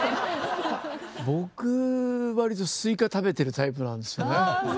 僕割とスイカ食べてるタイプなんですよね。